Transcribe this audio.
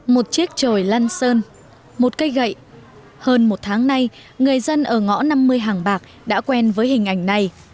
một chiếc trồi lăn sơn một cây gậy hơn một tháng nay người dân ở ngõ năm mươi hàng bạc đã quen với hình ảnh này